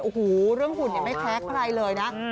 โอ้โหเรื่องหุ่นไม่แพ้ใครเลยนะ